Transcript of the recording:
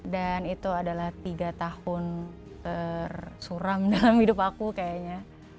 dan itu adalah tiga tahun tersuram dalam hidup aku kayaknya